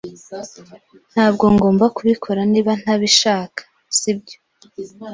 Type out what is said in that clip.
Ntabwo ngomba kubikora niba ntabishaka, sibyo?